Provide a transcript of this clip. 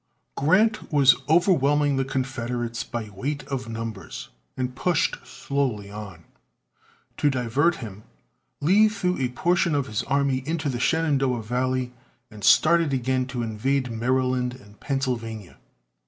Grant was overwhelming the Confederates by weight of numbers, and pushed slowly on. To divert him, Lee threw a portion of his army into the Shenandoah valley, and started again to invade Maryland and Pennsylvania.